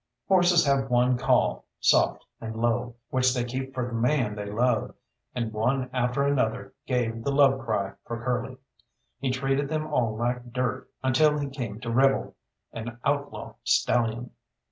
Horses have one call, soft and low, which they keep for the man they love, and one after another gave the love cry for Curly. He treated them all like dirt until he came to Rebel, an outlaw stallion.